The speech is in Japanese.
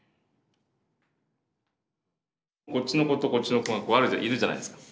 こっちの子とこっちの子がこうあるいるじゃないですか。